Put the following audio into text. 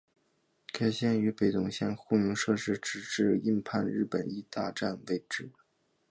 该线与北总线共用设施直至印幡日本医大站为止。